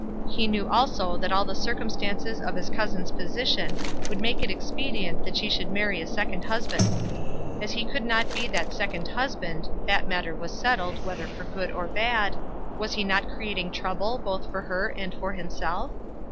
He knew also that all the circumstances of his cousin's position would make it expedient that she should marry a second husband. As he could not be that second husband, that matter was settled, whether for good or bad, was he not creating trouble, both for her and for himself?